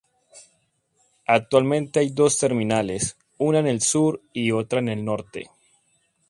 Actualmente hay dos terminales, una en el sur y otra en el norte.